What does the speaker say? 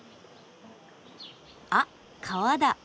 あっ川だ。